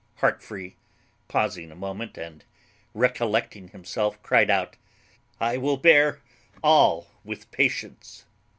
Heartfree, pausing a moment and recollecting himself, cryed out, "I will bear all with patience."